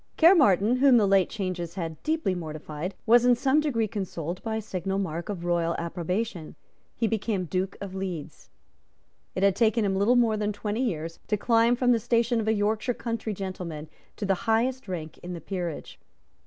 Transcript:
Caermarthen, whom the late changes had deeply mortified, was in some degree consoled by a signal mark of royal approbation. He became Duke of Leeds. It had taken him little more than twenty years to climb from the station of a Yorkshire country gentleman to the highest rank in the peerage.